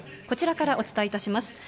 こちらからお伝えいたします。